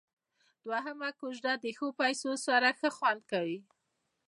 دوهمه کوزده د ښو پيسو سره ښه خوند کيي.